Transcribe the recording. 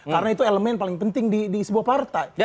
karena itu elemen paling penting di sebuah partai